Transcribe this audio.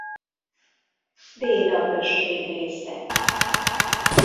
Déda község része.